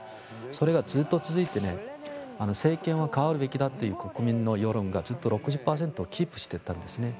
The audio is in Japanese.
それがずっと続いて政権は変わるべきだという国民の世論が６０％をキープしていたんですね。